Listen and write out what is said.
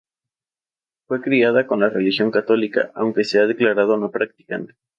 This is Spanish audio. Fue criada en la religión católica, aunque se ha declarado no practicante.